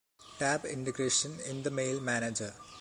Tab Integration in the mail manager.